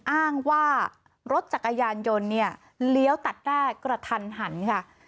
อ้างว่ารถจักรยานยนต์เนี่ยเลี้ยวตัดหน้ากระทันหันค่ะ